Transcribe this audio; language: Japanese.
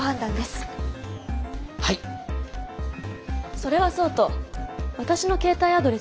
それはそうと私の携帯アドレスはどちらで？